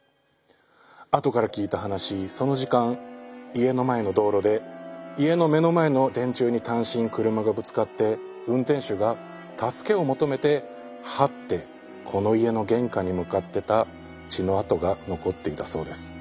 後から聞いた話その時間家の前の道路で家の目の前の電柱に単身車がぶつかって運転手が助けを求めて這ってこの家の玄関に向かってた血の痕が残っていたそうです。